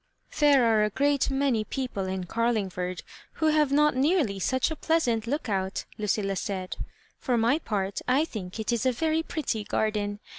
There are a great many people in Carling ford who have not nearly such a pleasant look out," Lucilla said; "for my part; I think it is a very pretty garden.